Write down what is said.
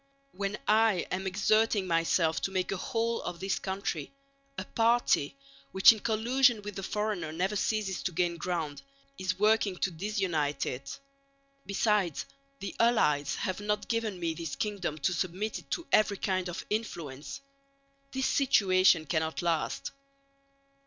When I am exerting myself to make a whole of this country, a party, which in collusion with the foreigner never ceases to gain ground, is working to disunite it. Besides the allies have not given me this kingdom to submit it to every kind of influence. This situation cannot last.